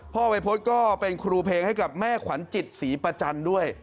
พ่อวัยพจน์ก็เป็นครูเพลงให้แม่ขวัญจิตศรีประจันดูย